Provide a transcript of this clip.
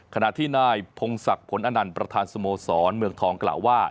ขณะที่นายพงศักดิ์ผลอนันต์ประธานสโมสรเมืองทองกล่าวว่า